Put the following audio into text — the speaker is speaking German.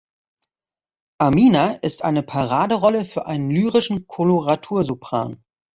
Amina ist eine Paraderolle für einen lyrischen Koloratur-Sopran.